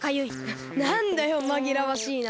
ななんだよまぎらわしいな。